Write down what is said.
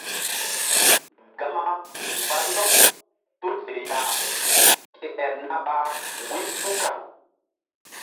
Gama mgba ndɔk tul fe ya ke el na ɓa wu̧y su̧kaŋ.